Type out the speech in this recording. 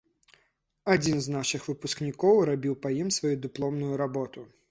Адзін з нашых выпускнікоў рабіў па ім сваю дыпломную работу.